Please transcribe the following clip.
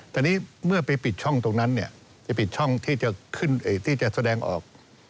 ตอนนี้เมื่อไปปิดช่องตรงนั้นจะปิดช่องที่จะแสดงออก